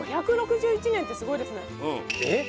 ５６１年ってすごいですねうんえっ！？